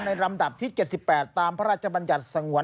ในรำดับ๗๘ตามพระราชบัญญัติสังวัล